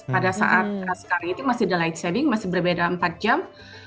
pada saat sekarang itu masih delight saving masih berbeda empat jam